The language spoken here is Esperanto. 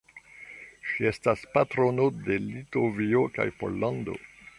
Ŝi estas patrono de Litovio kaj Pollando.